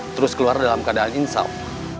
terus keluar dalam keadaan insya allah